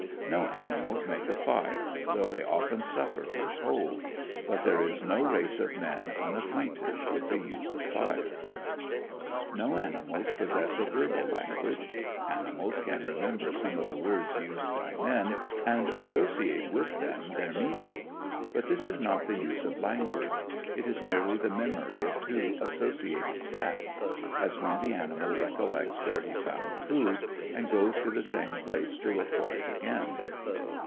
No animals make a fire, though they often suffer from cold; but there is no race of men unacquainted with the use of fire. No animals possess a verbal language. Animals can remember some of the words used by men, and associate with them their meaning. But this is not the use of language. It is merely the memory of two associated facts, as when the animal recollects where he found food, and goes to the same place to look for it again.